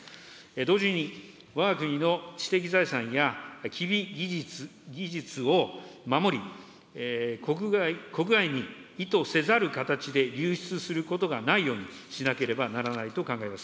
同時に、わが国の知的財産や技術を守り、国外に意図せざる形で流出することがないようにしなければならないと考えます。